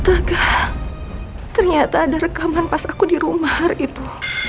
tagah ternyata ada rekaman pas aku di rumah itu